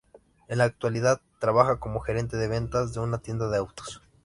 En la actualidad trabaja como gerente de ventas de una tienda de autos.